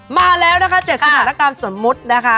มาแล้วนะคะ๗สถานการณ์สมมุตินะคะ